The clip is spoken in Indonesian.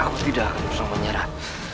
aku tidak akan berusaha menyerah